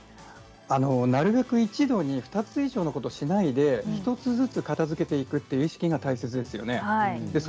なるべく一度に２つ以上のことをしないで一つ一つ片づけていくことが意識が大事です。